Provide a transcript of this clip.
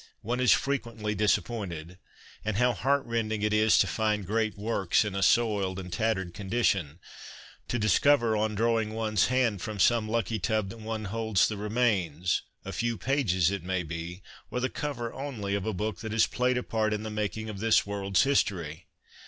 One is frequently disappointed. And how heart rending it is to find great works in a soiled and tattered condition, to discover, on drawing one's hand from some ' lucky tub,' that one holds the remains, a few pages, it may be, or the cover only, of a book that has played a part in the making of this world's history